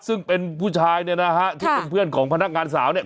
ซึ่งเป็นผู้ชายเนี่ยนะฮะที่เป็นเพื่อนของพนักงานสาวเนี่ย